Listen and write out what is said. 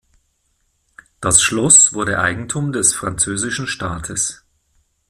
Das Schloss wurde Eigentum des französischen Staates.